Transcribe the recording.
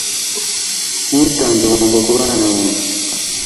Ntutange bombo kubana banjye